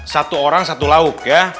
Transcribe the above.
satu orang satu lauk ya